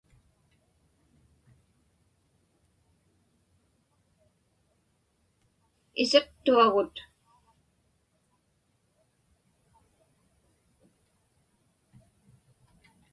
Isiqtuagut.